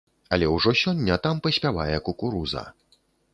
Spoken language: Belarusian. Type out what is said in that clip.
Але ўжо сёння там паспявае кукуруза.